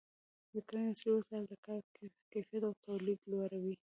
د کرنې عصري وسایل د کار کیفیت او تولید لوړوي.